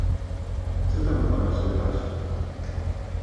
"Co tam u pana słychać?"